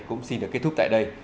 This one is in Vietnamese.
cũng xin được kết thúc tại đây